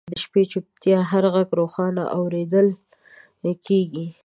د شپې چوپتیا کې هر ږغ روښانه اورېدل کېږي.